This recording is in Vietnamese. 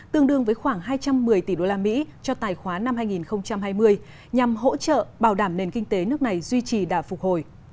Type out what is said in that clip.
tương đương với khoảng hai trăm một mươi tỷ usd cho tài khoá năm hai nghìn hai mươi nhằm hỗ trợ bảo đảm nền kinh tế nước này duy trì đà phục hồi